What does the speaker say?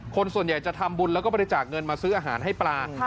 คนส่วนใหญ่จะทำบุญแล้วก็บริจาคเงินมาซื้ออาหารให้ปลา